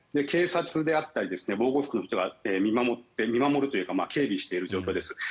警察であったり防護服の人がいて見守るというか警備している状況です。